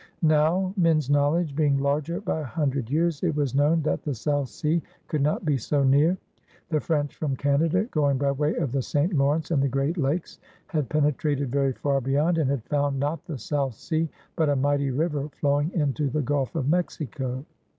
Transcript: Now, men^s knowledge being larger by a himdred years, it was known that the South Sea could not be so near. The French from Canada, going by way of the St. Lawrence and the Great Lakes, had penetrated very far beyond and had found not the South Sea but a mighty river flowing into the Gulf of Mexico.